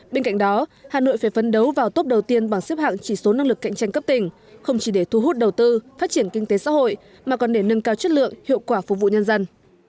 bên cạnh đó hà nội phải phân đấu vào tốt đầu tiên bằng xếp hạng chỉ số năng lực cạnh tranh cấp tỉnh không chỉ để thu hút đầu tư phát triển kinh tế xã hội mà còn để nâng cao chất lượng hiệu quả phục vụ nhân dân